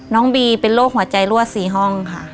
น้องบีเป็นโรคหัวใจรั่ว๔ห้องค่ะ